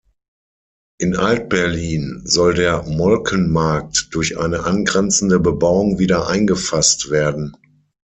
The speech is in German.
In Alt-Berlin soll der Molkenmarkt durch eine angrenzende Bebauung wieder eingefasst werden.